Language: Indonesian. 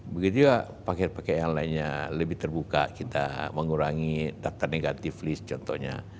begitu juga paket paket yang lainnya lebih terbuka kita mengurangi data negatif list contohnya